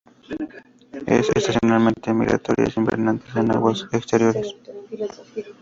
Es estacionalmente migratorias, invernantes en aguas exteriores.